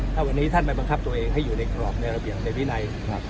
ถ้าวันนี้ท่านไปบังคับตัวเองให้อยู่ในกรอบในระเบียบในวินัย